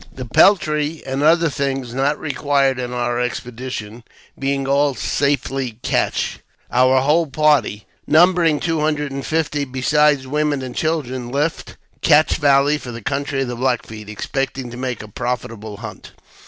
THE peltry and other things not required in our expedition being all safely cached, our whole party — numbering two hundred and fifty, besides women and children — left Cache Valley for the country of the Black Feet, expecting to make a profitable hunt.